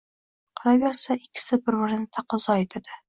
Qolaversa, ikkisi bir-birini taqozo etadi: